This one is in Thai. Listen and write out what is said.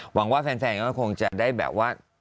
หวังว่าแฟนก็คงจะได้แบบว่า